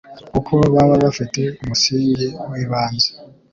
kuko baba bafite umusingi w'ibanze